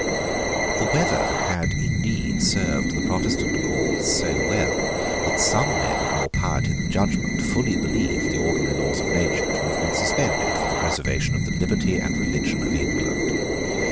The weather had indeed served the Protestant cause so well that some men of more piety than judgment fully believed the ordinary laws of nature to have been suspended for the preservation of the liberty and religion of England.